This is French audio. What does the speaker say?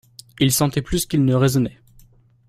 Il sentait plus qu'il ne raisonnait.